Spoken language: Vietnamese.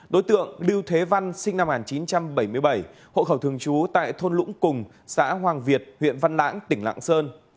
đối tượng lưu thế văn sinh năm một nghìn chín trăm bảy mươi bảy hộ khẩu thường trú tại thôn lũng cùng xã hoàng việt huyện văn lãng tỉnh lạng sơn